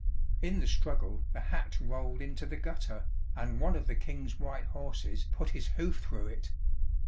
In the struggle the hat rolled into the gutter, and one of the King's white horses put his hoof through it.